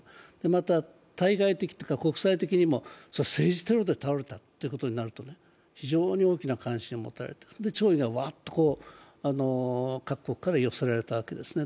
また、対外的というか国際的にも政治テロで倒れたということになると非常に大きな関心を持たれて弔意がわっと各国から寄せられたわけですね。